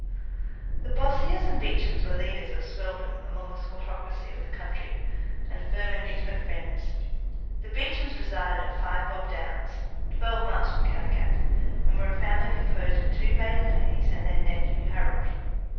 The Bossiers and Beechams were leaders of swelldom among the squattocracy up the country, and firm and intimate friends. The Beechams resided at Five Bob Downs, twelve miles from Caddagat, and were a family composed of two maiden ladies and their nephew, Harold.